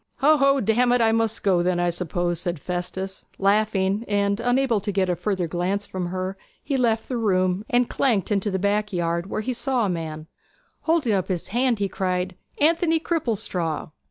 'Ho, ho! damn it, I must go then, I suppose,' said Festus, laughing; and unable to get a further glance from her he left the room and clanked into the back yard, where he saw a man; holding up his hand he cried, 'Anthony Cripplestraw!'